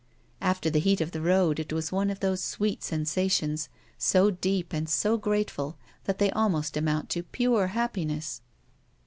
After the heat of the road, it was one of those sweet sensations so deep and so grateful that they almost amount to pure happiness.